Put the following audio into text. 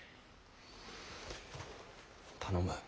頼む。